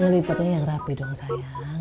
ngelipet aja yang rapi dong sayang